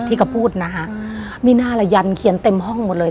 ที่เขาพูดนะฮะมีหน้าละยันเขียนเต็มห้องหมดเลย